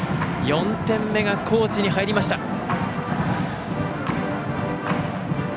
４点目が高知に入りました。